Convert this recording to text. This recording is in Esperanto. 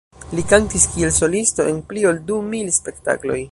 Li kantis kiel solisto en pli ol du mil spektakloj.